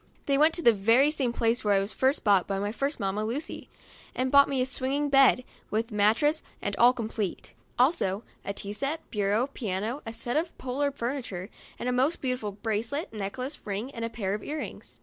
They went to the very same place where I was first bought by my first mamma, Lucy, and bought me a swinging bed, with mattress, and all complete ; also a tea set, bureau, piano, a set of parlor furniture, and a most beautiful bracelet, necklace, ring, and a pair of ear rings.